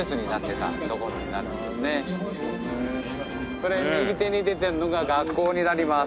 これ右手に出てるのが学校になります。